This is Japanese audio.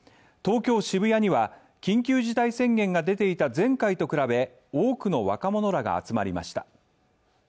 東京・渋谷には緊急事態宣言が出ていた前回と比べ、多くの若者らが集まりました。